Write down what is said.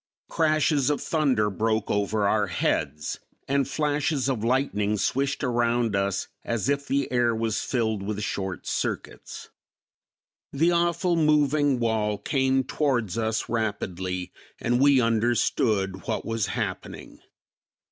Crashes of thunder broke over our heads and flashes of lightning swished around us as if the air was filled with short circuits. The awful moving wall came towards us rapidly and we understood what was happening.